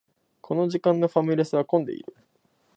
この時間のファミレスは混んでいる